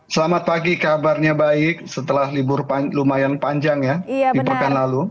selamat pagi kabarnya baik setelah libur lumayan panjang ya di pekan lalu